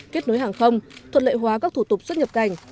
kết nối hàng không thuận lợi hóa các thủ tục xuất nhập cảnh